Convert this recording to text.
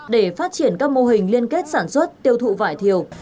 để phát triển các mô hình liên kết sản xuất tiêu thụ vải thiều